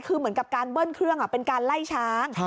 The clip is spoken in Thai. คือเหมือนกับการเบิ้ลเครื่องเป็นการไล่ช้าง